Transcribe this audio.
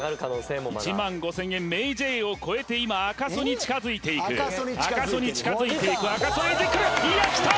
１万５０００円ＭａｙＪ．を超えて今赤楚に近づいていく赤楚に近づいていくいやきた！